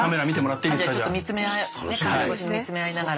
じゃあちょっと見つめ合うねカメラ越しに見つめ合いながら。